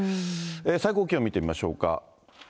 最高気温見てみましょうか。